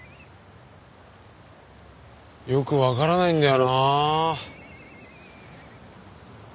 よくわからないんだよなあ。